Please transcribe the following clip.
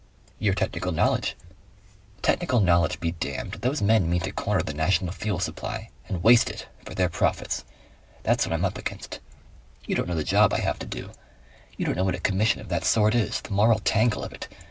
"Your technical knowledge " "Technical knowledge be damned! Those men mean to corner the national fuel supply. And waste it! For their profits. That's what I'm up against. You don't know the job I have to do. You don't know what a Commission of that sort is. The moral tangle of it.